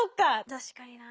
確かにな。